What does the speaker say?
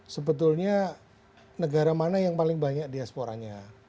sebetulnya negara mana yang paling banyak diasporanya